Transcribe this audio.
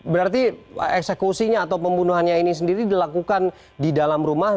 berarti eksekusinya atau pembunuhannya ini sendiri dilakukan di dalam rumah